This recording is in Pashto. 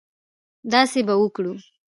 داسې به وکړو.